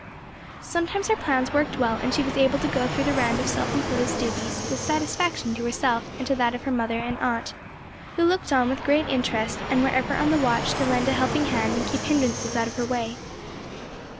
Sometimes her plans worked well and she was able to go through the round of self imposed duties with satisfaction to herself and to that of her mother and aunt, who looked on with great interest and were ever on the watch to lend a helping hand and keep hindrances out of her way.